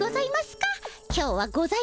今日はございません。